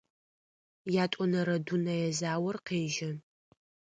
Ятӏонэрэ дунэе заор къежьэ.